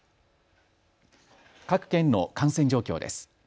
各県の感染状況です。